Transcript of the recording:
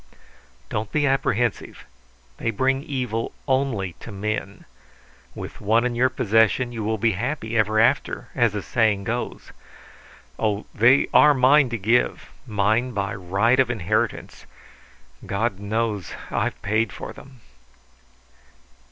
"Don't be apprehensive. They bring evil only to men. With one in your possession you will be happy ever after, as the saying goes. Oh, they are mine to give; mine by right of inheritance. God knows I paid for them!"